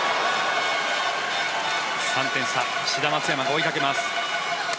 ３点差志田・松山が追いかけます。